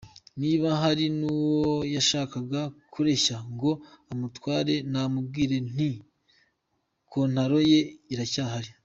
Niba hari n’uwo yashakaga kureshya ngo amutware namubwira nti kontaro ye iracyahari”.